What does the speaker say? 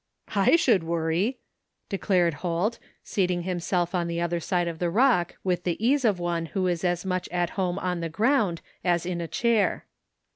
"" I should worry! " declared Holt, seating himself on the other side of the rock with the ease of one who is as much at home on the ground as on a chair.